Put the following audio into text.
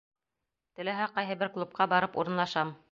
Теләһә ҡайһы бер клубҡа барып урынлашам!